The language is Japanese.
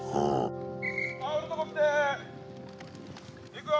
・いくよ！